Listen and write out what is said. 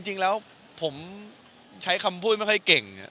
จริงแล้วผมใช้คำพูดไม่ค่อยเก่ง